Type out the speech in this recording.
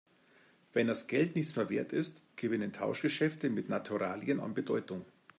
Wenn das Geld nichts mehr Wert ist, gewinnen Tauschgeschäfte mit Naturalien an Bedeutung.